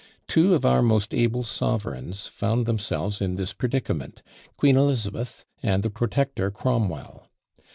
Two of our most able sovereigns found themselves in this predicament: Queen Elizabeth and the Protector Cromwell!